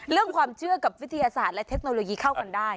เรื่องความเชื่อกับวิทยาศาสตร์และเทคโนโลยีเข้ากันได้